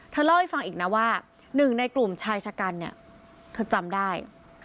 เล่าให้ฟังอีกนะว่าหนึ่งในกลุ่มชายชะกันเนี่ยเธอจำได้